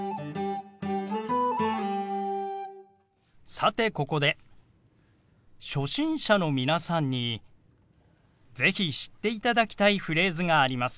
さてここで初心者の皆さんに是非知っていただきたいフレーズがあります。